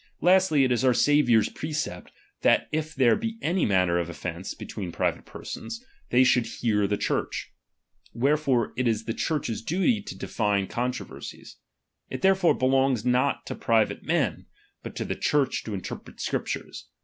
Lastly, it is our ^M Saviour's precept, that if there be any matter of ^M offence between private persons, they should hear ^| tke Church. Wherefore it is the Church's duty to ^M define controversies ; it therefore belongs not to ^| private men, but to the Church to interpret Scrip ^M tares.